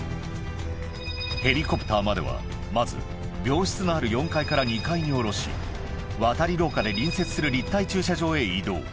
ヘリコプターまでは、まず病室のある４階から２階に下ろし、渡り廊下で隣接する立体駐車場へ移動。